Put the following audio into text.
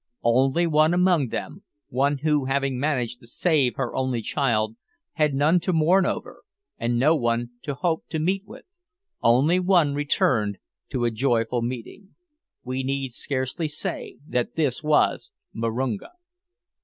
Only one among them one who, having managed to save her only child, had none to mourn over, and no one to hope to meet with only one returned to a joyful meeting. We need scarcely say that this was Marunga.